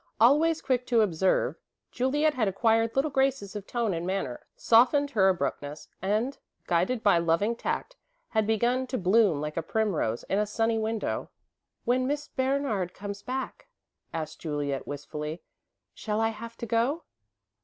Always quick to observe, Juliet had acquired little graces of tone and manner, softened her abruptness, and, guided by loving tact, had begun to bloom like a primrose in a sunny window. "When when Miss Bernard comes back again," asked Juliet, wistfully, "shall I have to go?"